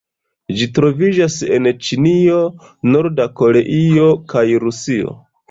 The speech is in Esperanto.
Ĝi troviĝas en Ĉinio, Norda Koreio kaj Rusio.